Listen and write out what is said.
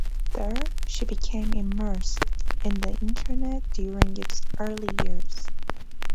There she became immersed in the internet during its early years.